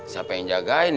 siapa yang jagain ya